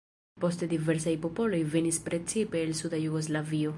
Poste diversaj popoloj venis precipe el suda Jugoslavio.